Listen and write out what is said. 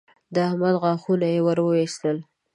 د احمد غاښونه يې ور واېستل